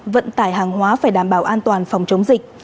vận tải hàng hóa phải đảm bảo an toàn phòng chống dịch